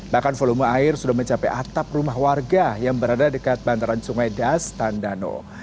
bahkan volume air sudah mencapai atap rumah warga yang berada dekat bantaran sungai das tandano